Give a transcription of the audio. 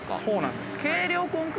そうなんです。